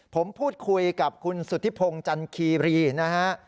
ผมพูดคุยกับคุณสุธิพงศ์จันคีรีนะฮะ